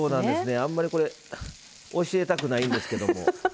あんまり教えたくないんですけども。